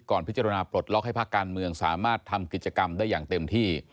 พิจารณาปลดล็อกให้ภาคการเมืองสามารถทำกิจกรรมได้อย่างเต็มที่